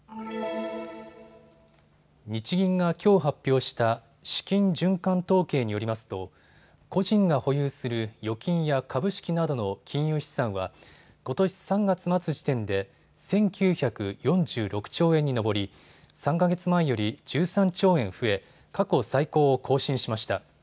日銀がきょう発表した資金循環統計によりますと個人が保有する預金や株式などの金融資産はことし３月末時点で１９４６兆円に上り３か月前より１３兆円増え、過去最高を更新しました。